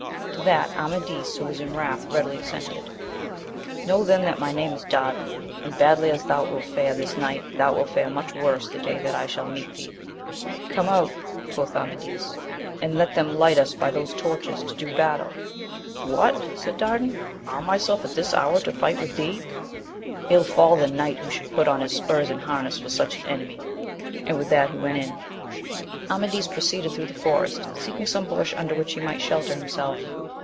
To that Amadis, who was in wrath, readily assented. — Know then that my name is Dardan, and badly as thou svilt fare this night, thou wilt fare much worse the day that I shall meet thee ! Come out, quoth Amadis, and let them light us by those toic\ift«» \.o ^c^ \i^S^&\ 84 AMADIS OF GAUL. What ! said Dardan^ arm myself at this hoar to fight with thee ? ill fall the knight who should put on his spurs and harness for such an enemy ! and with that he went in. Amadis proceeded through the forest, seeking some bush under which he might shelter himself.